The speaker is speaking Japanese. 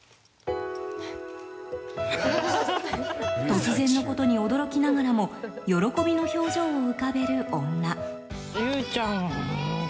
「突然のことに驚きながらも喜びの表情を浮かべる女」